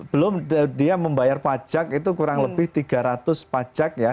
belum dia membayar pajak itu kurang lebih tiga ratus pajak ya